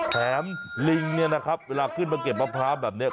ลิงเนี่ยนะครับเวลาขึ้นมาเก็บมะพร้าวแบบนี้